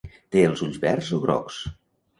Té els ulls verds o grocs.